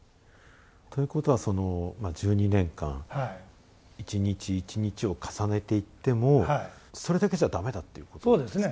ということは１２年間一日一日を重ねていってもそれだけじゃ駄目だっていうことですか？